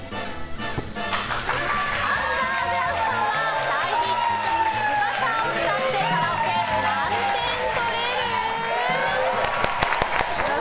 アンダーグラフさんは大ヒット曲「ツバサ」を歌ってカラオケ何点取れる？